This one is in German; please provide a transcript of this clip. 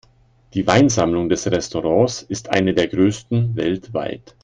Die Weinsammlung des Restaurants ist eine der größten weltweit.